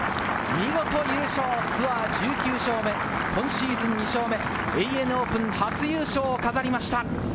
見事優勝、ツアー１９勝目、今シーズン２勝目、ＡＮＡオープン初優勝を飾りました。